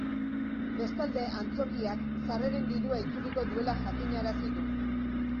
Bestalde, antzokiak sarreren dirua itzuliko duela jakinarazi du.